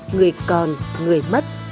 người còn người mất